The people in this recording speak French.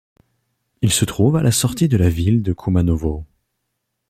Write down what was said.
Il se trouve à la sortie de la ville de Koumanovo.